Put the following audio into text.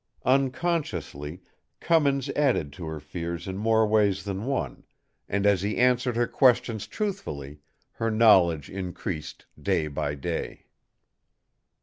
Unconsciously, Cummins added to her fears in more ways than one, and as he answered her questions truthfully, her knowledge increased day by day.